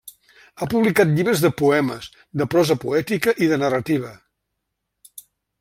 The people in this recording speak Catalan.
Ha publicat llibres de poemes, de prosa poètica i de narrativa.